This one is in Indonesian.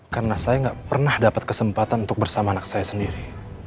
karena saya gak pernah dapat kesempatan untuk bersama anak saya sendiri